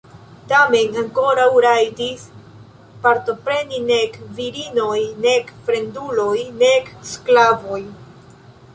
Tamen ankoraŭ rajtis partopreni nek virinoj nek fremduloj nek sklavoj.